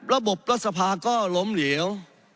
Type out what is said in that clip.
ระบบรสภาก็ล้มเหลียว